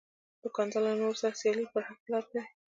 دوکاندار له نورو سره سیالي پر حقه لار کوي.